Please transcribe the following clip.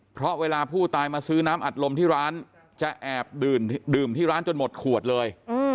เพราะเวลาผู้ตายมาซื้อน้ำอัดลมที่ร้านจะแอบดื่มที่ร้านจนหมดขวดเลย